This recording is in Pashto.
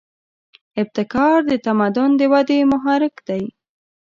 ابتکار د تمدن د ودې محرک دی.